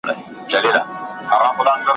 بس ښکارونه وه مېلې وې مهمانۍ وې ,